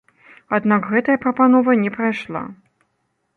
Аднак гэтая прапанова не прайшла.